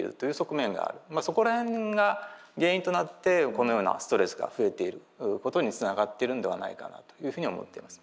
そこら辺が原因となってこのようなストレスが増えていることにつながっているんではないかなというふうに思っています。